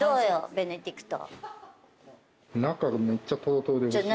ベネディクト。